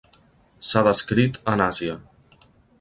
S'ha descrit en Àsia.